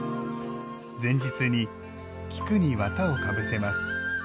前日に、菊に綿を被せます。